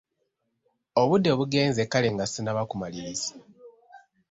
Obudde bugenze kale nga sinnaba kumaliriza.